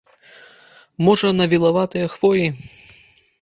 Можа, на вілаватыя хвоі?